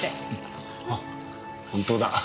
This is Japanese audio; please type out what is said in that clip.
あ本当だ。